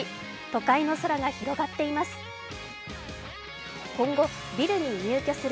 都会の空が広がっています。